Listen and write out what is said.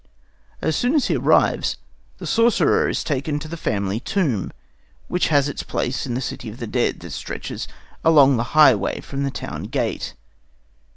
As soon as he arrives, the sorcerer is taken to the family tomb, which has its place in the city of the dead that stretches along the highway from the town gate.